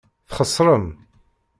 Txeṣrem.